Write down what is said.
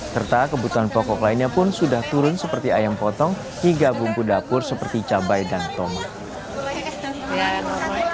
serta kebutuhan pokok lainnya pun sudah turun seperti ayam potong hingga bumbu dapur seperti cabai dan tomat